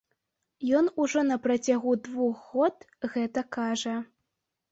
Ён ужо на працягу двух год гэта кажа.